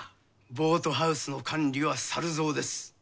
ボートハウスの管理は猿蔵です。